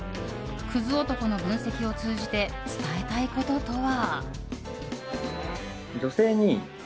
クズ男の分析を通じて伝えたいこととは。